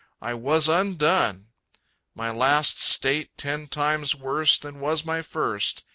I was undone. My last state ten times worse than was my first.